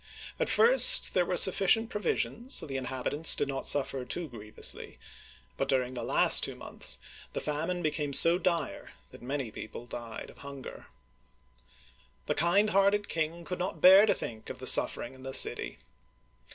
At first there were sufficient pro visions so the inhabitants did not suffer too grievously; but during the last two months the famine became so dire that many people died of hunger. The kind hearted king could not bear to think of the suffering in the city.